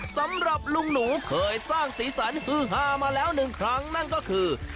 สำหรับลุงหนูเคยสร้างสีสันฮือฮามาแล้วหนึ่งครั้งนั่นก็คือ